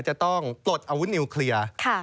จะต้องปลดอาวุธนิวเคลียร์